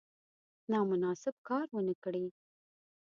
نامناسب کار ونه کړي.